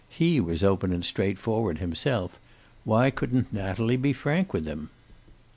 He was open and straightforward himself. Why couldn't Natalie be frank with him?